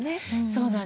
そうなんです。